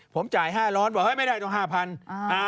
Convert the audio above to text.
ผมจ่าย๕ล้อนบอกว่าไม่ได้ตรง๕๐๐๐